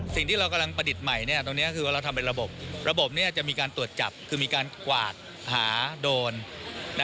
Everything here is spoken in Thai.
สิ่งที่เรากำลังประดิษฐ์ใหม่ตรงนี้คือว่าเราทำเป็นระบบระบบจะมีการตรวจจับคือมีการกวาดหาโดรน